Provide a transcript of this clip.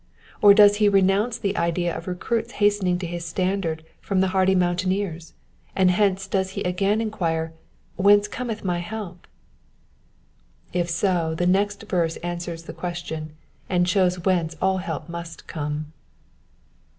Or does he renounce the idea of recruits hastening to his standard from the hardy mountaineers ? and hence does he again enquire, Whence cometh my help?'' If so, the next verse answers the question, and shows whence all help must come.